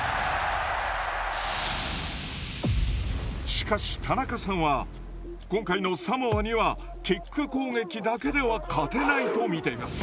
しかし田中さんは今回のサモアにはキック攻撃だけでは勝てないと見ています。